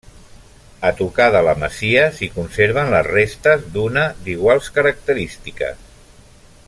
A tocar de la masia s'hi conserven les restes d'una d'iguals característiques.